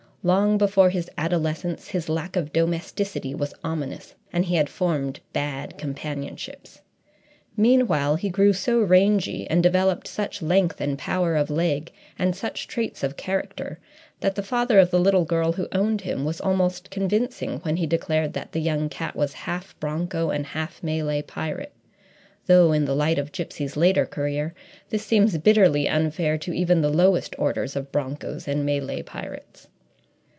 Long before his adolescence, his lack of domesticity was ominous, and he had formed bad companionships. Meanwhile, he grew so rangy, and developed such length and power of leg and such traits of character, that the father of the little girl who owned him was almost convincing when he declared that the young cat was half broncho and half Malay pirate though, in the light of Gipsy's later career, this seems bitterly unfair to even the lowest orders of bronchos and Malay pirates.